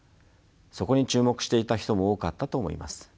そこに注目していた人も多かったと思います。